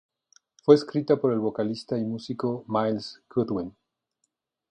Fue escrita por el vocalista y músico Myles Goodwyn.